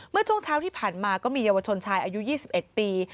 เมื่อช่วงเช้าที่ผ่านมาก็มีเยาวชนชายอายุ๒๑ปี